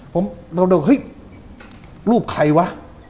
ผมก็บอกเฮ้ยรูปใครวะ